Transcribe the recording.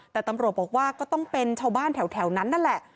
แต่ตำรวจบอกว่าก็ต้องเป็นชาวบ้านแถวนั้นนั่นแหละ